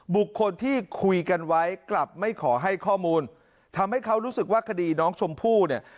บุคคลที่คุยกันไว้กลับไม่ขอให้ข้อมูลทำให้เขารู้สึกว่าคดีน้องชมพู่เนี่ย